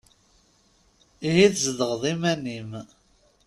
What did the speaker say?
Ihi tzedɣeḍ iman-im?